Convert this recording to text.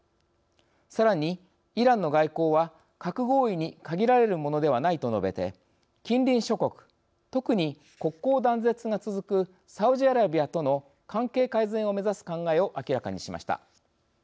さらに「イランの外交は核合意に限られるものではない」と述べて、近隣諸国特に、国交断絶が続くサウジアラビアとの関係改善を目指す考えを明らかにしました。